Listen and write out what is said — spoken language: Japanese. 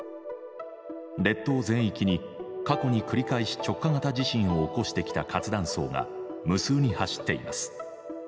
列島全域に過去に繰り返し直下型地震を起こしてきた活断層が無数に走っています。